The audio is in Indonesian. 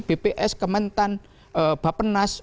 bps kementan bapenas